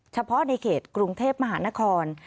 เฉพาะในเขตกรุงเทพมหานคร